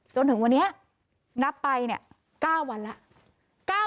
จนถึงวันนี้นับไปเนี่ย๙วันละ